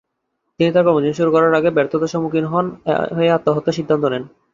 তিনি তার কর্মজীবন শুরু করার আগে ব্যর্থতার সম্মুখীন হয়ে আত্মহত্যার সিদ্ধান্ত নেন।